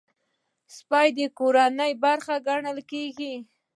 سپي د کورنۍ برخه ګڼل کېږي.